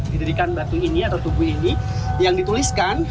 didirikan batu ini atau tubuh ini yang dituliskan